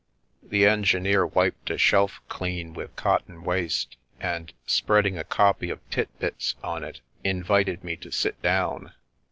The engineer wiped a shelf clean with cotton waste, and, spreading a copy of Tit Bits on it, invited me to sit down.